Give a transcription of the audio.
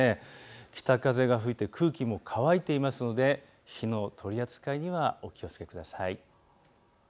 北風が吹いて空気も乾いていますので火の取り扱いにはお気をつけください。